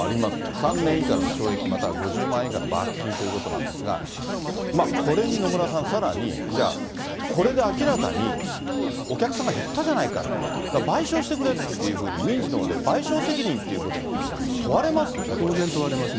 ３年以下の懲役または５０万円以下の罰金ということなんですが、これに野村さん、さらにじゃあ、これで明らかにお客さんが減ったじゃないか、賠償してくれっていうふうに、民事のほうで賠償責任っていうこと当然問われますね。